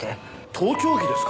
盗聴器ですか？